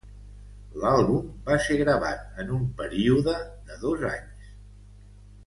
L'àlbum va ser gravat en un període de dos anys.